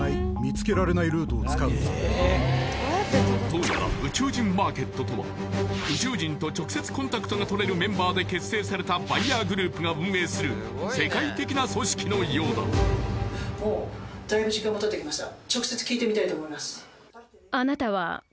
どうやら宇宙人マーケットとは宇宙人と直接コンタクトが取れるメンバーで結成されたバイヤーグループが運営する世界的な組織のようだ今年からするとロベルトの目が再び光った！